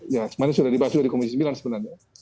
ya sebenarnya sudah dibahas juga di komisi sembilan sebenarnya